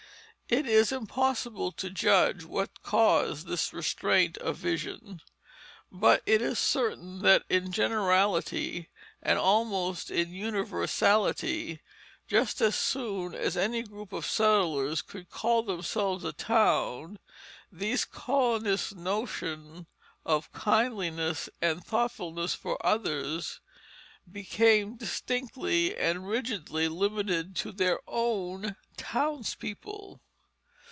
It is impossible to judge what caused this restraint of vision, but it is certain that in generality and almost in universality, just as soon as any group of settlers could call themselves a town, these colonists' notions of kindliness and thoughtfulness for others became distinctly and rigidly limited to their own townspeople.